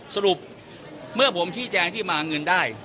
สรุปเมื่อผมชี้แจงที่มาเงินได้